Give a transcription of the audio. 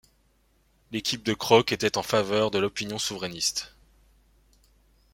L'équipe de Croc était en faveur de l'opinion souverainiste.